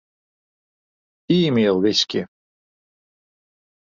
E-mail wiskje.